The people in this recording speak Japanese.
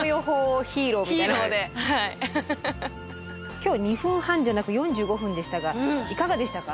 今日２分半じゃなく４５分でしたがいかがでしたか？